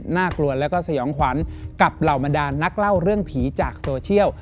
น่ากลัวแล้วก็สยองขวัญกับเหล่าบรรดานนักเล่าเรื่องผีจากโซเชียล